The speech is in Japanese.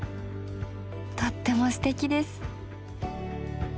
とってもすてきです。